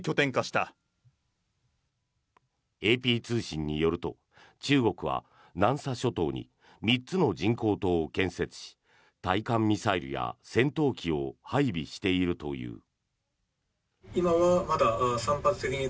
ＡＰ通信によると中国は南沙諸島に３つの人工島を建設し対艦ミサイルや戦闘機を配備しているという。